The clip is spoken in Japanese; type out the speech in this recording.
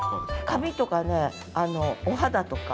髪とかねお肌とか。